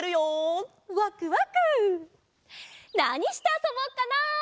なにしてあそぼっかな？